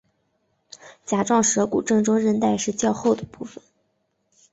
甲状舌骨正中韧带是较厚的部分。